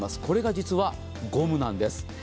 これが実はゴムなんです。